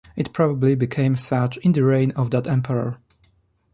It probably became such in the reign of that emperor.